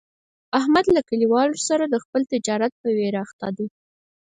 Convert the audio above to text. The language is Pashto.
احمد له کلیوالو سره د خپل تجارت په ویر اخته دی.